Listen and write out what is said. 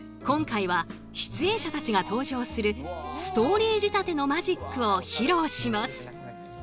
今回は出演者たちが登場するストーリー仕立てのマジックを披露します。